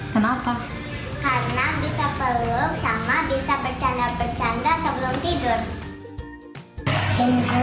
kenapa karena bisa peluk sama bisa bercanda bercanda sebelum tidur